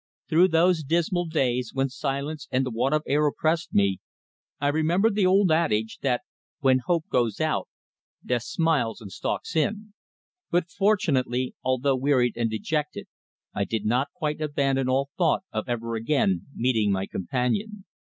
Through those dismal days when silence and the want of air oppressed me, I remembered the old adage that when Hope goes out Death smiles and stalks in, but fortunately, although wearied and dejected, I did not quite abandon all thought of ever again meeting my companion.